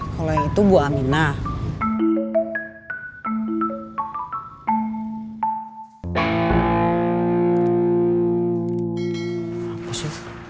kalau itu bu aminah